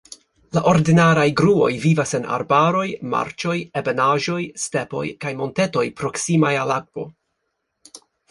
La ordinaraj gruoj vivas en arbaroj, marĉoj, ebenaĵoj, stepoj kaj montetoj proksimaj al akvo.